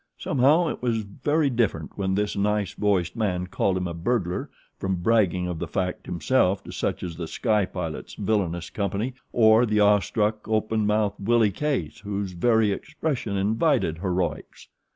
Somehow it was very different when this nice voiced man called him a burglar from bragging of the fact himself to such as The Sky Pilot's villainous company, or the awestruck, open mouthed Willie Case whose very expression invited heroics.